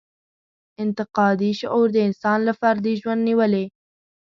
انتقادي شعور د انسان له فردي ژوند نېولې.